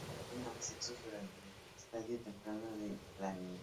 Se puede observar en ambos sexos durante el estadio temprano de la niñez.